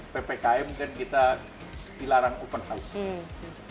ppkm kan kita dilarang open house